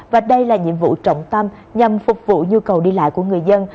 và đây là nhiệm vụ trọng tâm nhằm phục vụ nhu cầu đi lại của người dân